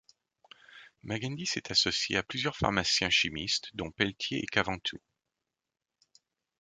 Magendie s'est associé à plusieurs pharmaciens chimistes, dont Pelletier et Caventou.